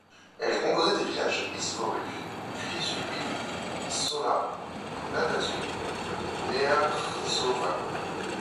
Elle est composée des villages Izvoru Crișului, Șaula, Nadășu, Nearșova.